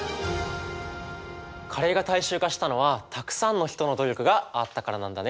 カレーが大衆化したのはたくさんの人の努力があったからなんだね。